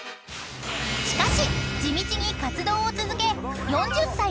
［しかし地道に活動を続け］